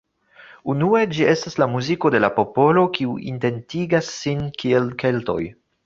Unue, ĝi estas la muziko de la popolo kiu identigas sin kiel Keltoj.